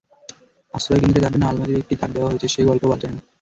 আশ্রয়কেন্দ্রে তার জন্য আলমারির একটি তাক দেওয়া হয়েছে—সে গল্পও বাদ যায় না।